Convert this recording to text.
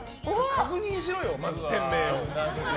確認しろよ、まずは店名を。